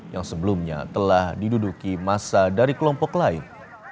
yang sebelumnya telah diduduki masa dari kelompok lain